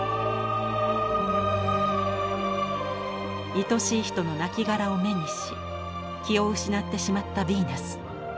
いとしい人のなきがらを目にし気を失ってしまったヴィーナス。